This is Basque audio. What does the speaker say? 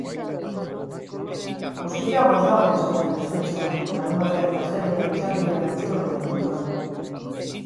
Guztira bost lagun zeuden espetxean, larunbatean eta astelehenean izan diren atxiloketen ondoren.